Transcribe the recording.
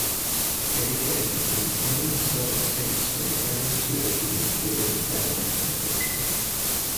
Kerikeri contains many historic sites from the earliest European colonial settlement in the country.